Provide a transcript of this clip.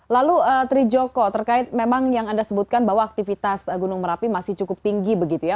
lalu trijoko terkait memang yang anda sebutkan bahwa aktivitas gunung merapi masih cukup tinggi begitu ya